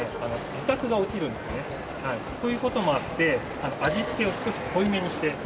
味覚が落ちるんですね。という事もあって味付けを少し濃いめにして。